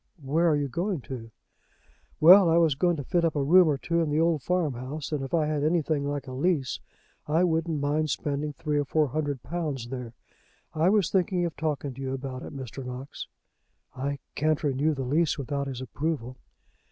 "Where are you going to?" "Well, I was going to fit up a room or two in the old farmhouse; and if I had anything like a lease, I wouldn't mind spending three or four hundred pounds there. I was thinking of talking to you about it, Mr. Knox." "I can't renew the lease without his approval."